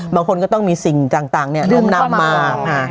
บางคนก็ต้องมีสิ่งต่างเนี่ยลืมนับมา